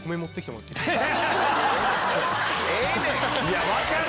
ええねん！